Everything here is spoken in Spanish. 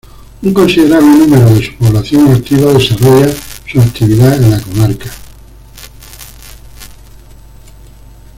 Un considerable número de su población activa desarrolla su actividad en la comarca.